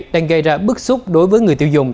đang gây ra bức xúc đối với người tiêu dùng